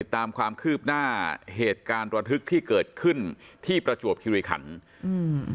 ตามความคืบหน้าเหตุการณ์ระทึกที่เกิดขึ้นที่ประจวบคิริขันอืม